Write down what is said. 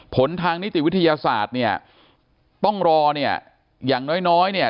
ผลทางนิติวิทยาศาสตร์เนี่ยต้องรอเนี่ยอย่างน้อยน้อยเนี่ย